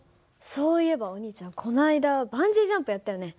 そういえばお兄ちゃんこの間バンジージャンプやったよね。